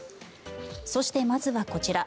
そして、まずはこちら。